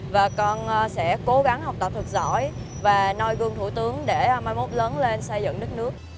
và con sẽ cố gắng học tập thật giỏi và nôi gương thủ tướng để mai mốt lớn lên xây dựng đất nước